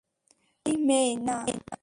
মেই-মেই, না!